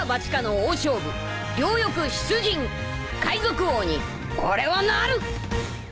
海賊王に俺はなる！